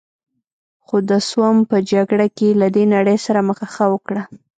خو د سوم په جګړه کې یې له دې نړۍ سره مخه ښه وکړه.